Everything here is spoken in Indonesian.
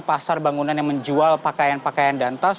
pasar bangunan yang menjual pakaian pakaian dan tas